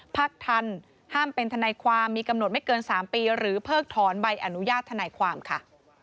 พักทันห้ามเป็นทนายความมีกำหนดไม่เกิน๓ปีหรือเพิกถอนใบอนุญาตทนายความค่ะ